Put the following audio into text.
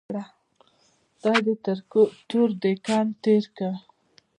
خدای دې تر تور دکن تېر کړه.